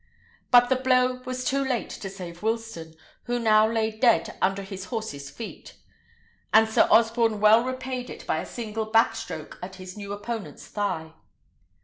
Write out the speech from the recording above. But the blow was too late to save Wilsten, who now lay dead under his horse's feet; and Sir Osborne well repaid it by a single back stroke at this new opponent's thigh.